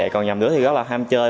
còn nhầm đứa thì rất là ham chơi